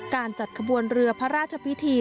การจัดขบวนเรือพระราชพิธี